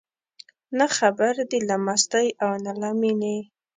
نه خبر دي له مستۍ او نه له مینې